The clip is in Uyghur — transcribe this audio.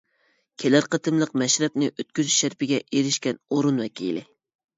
كېلەر قېتىملىق مەشرەپنى ئۆتكۈزۈش شەرىپىگە ئېرىشكەن ئورۇن ۋەكىلى.